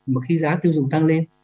mà khi giá tiêu dùng tăng lên